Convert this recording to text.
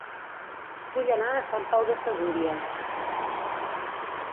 Vull anar a Sant Pau de Segúries